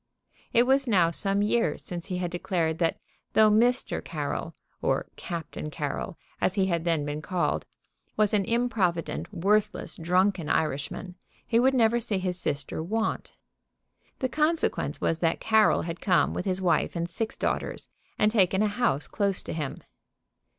It was now some years since he had declared that though Mr. Carroll, or Captain Carroll, as he had then been called, was an improvident, worthless, drunken Irishman, he would never see his sister want. The consequence was that Carroll had come with his wife and six daughters and taken a house close to him.